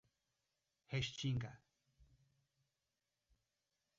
Restinga